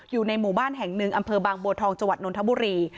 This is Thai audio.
อยู่ในหมู่บ้านแห่งนึงอำเภอบางโบทองจนทบุรี